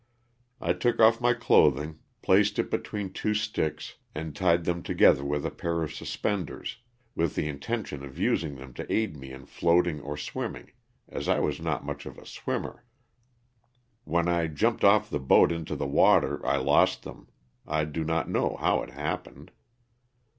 I took off my clothing, placed it between two sticks and tied them to gether with a pair of suspenders, with the intention of using them to aid me in floating or swimming, as I was not much of a swimmer. When I jumped off the boat into the water I lost them, I do not know how it happened.